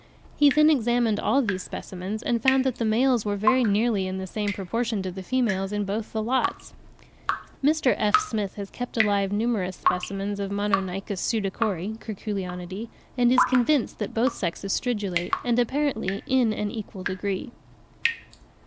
He then examined all these specimens, and found that the males were very nearly in the same proportion to the females in both the lots. Mr. F. Smith has kept alive numerous specimens of Monoynchus pseudacori (Curculionidae), and is convinced that both sexes stridulate, and apparently in an equal degree.